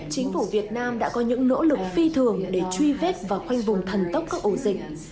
chính phủ việt nam đã có những nỗ lực phi thường để truy vết và khoanh vùng thần tốc các ổ dịch